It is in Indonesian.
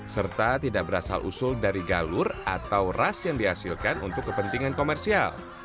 serta tidak berasal usul dari galur atau ras yang dihasilkan untuk kepentingan komersial